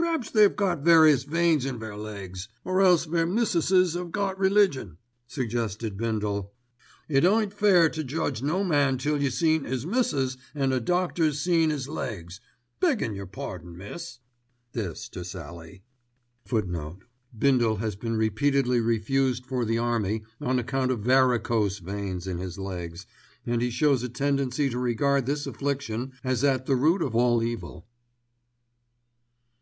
'" "P'raps they've got 'various' veins* in their legs, or else their missusses 'ave got religion," suggested Bindle. "It ain't fair to judge no man till you seen 'is missus, an' a doctor's seen 'is legs—beggin' your pardon, miss," this to Sallie. *Bindle has been repeatedly refused for the Army on account of varicose veins in his legs, and he shows a tendency to regard this affliction as at the root of all evil.